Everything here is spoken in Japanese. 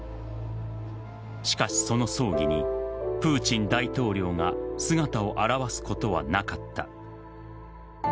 しかし、その葬儀にプーチン大統領が姿を現すことはなかった。